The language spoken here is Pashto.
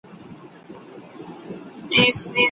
ولي ځايي واردوونکي خوراکي توکي له ایران څخه واردوي؟